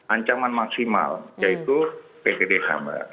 ancaman maksimal yaitu ptdh